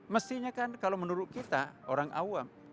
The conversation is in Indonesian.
mestinya kan kalau menurut kita orang awam